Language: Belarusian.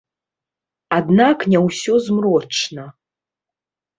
Аднак не ўсё змрочна.